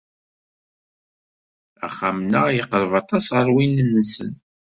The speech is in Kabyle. Axxam-nneɣ yeqreb aṭas ɣer win-nsen.